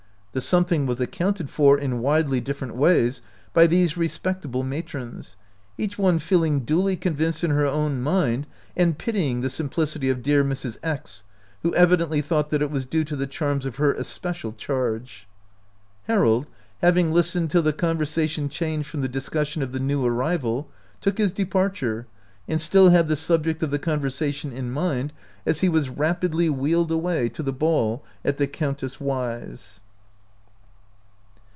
The something was accounted for in widely different ways by these respectable matrons, each one feeling duly convinced in her own mind, and pitying the simplicity of dear Mrs. X , who evidently thought it was due to the charms of her especial charge. Harold, having listened till the conversa tion changed from the discussion of the new arrival, took his departure, and still had the subject of the conversation in mind as he was rapidly wheeled away to the ball at the Countess Y 's.